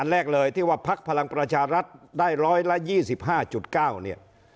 แรกเลยที่ว่าพักพลังประชารัฐได้๑๒๕๙เนี่ย